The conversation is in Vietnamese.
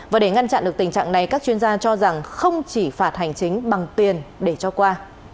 và để ngăn chặn được tình trạng này các chuyên gia cho rằng không chỉ phạt hành chính bằng tiền để cho qua